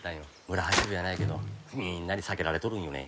村八分やないけどみんなに避けられとるんよね。